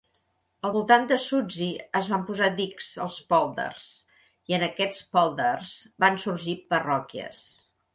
Al voltant de Zuudzee, es van posar dics als pòlders, i en aquests pòlders, van sorgir parròquies.